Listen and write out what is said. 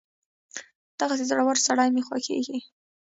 دغسې زړور سړی مې خوښېږي.